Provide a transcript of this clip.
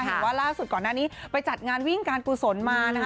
เห็นว่าล่าสุดก่อนหน้านี้ไปจัดงานวิ่งการกุศลมานะคะ